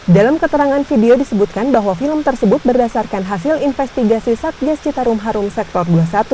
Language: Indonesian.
dalam keterangan video disebutkan bahwa film tersebut berdasarkan hasil investigasi satgas citarum harum sektor dua puluh satu